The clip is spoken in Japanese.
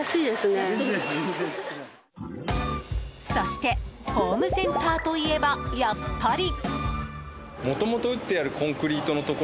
そしてホームセンターといえばやっぱり。